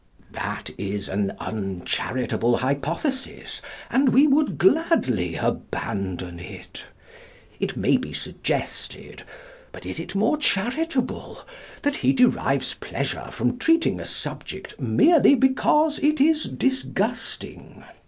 That is an uncharitable hypothesis, and we would gladly abandon it. It may be suggested (but is it more charitable?) that he derives pleasure from treating a subject merely because it is disgusting.